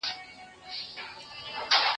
د قصاب څنګ ته موچي په کار لګیا وو